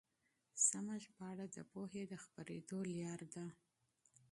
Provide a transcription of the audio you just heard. سمه ژباړه د پوهې د خپرېدو لاره ده.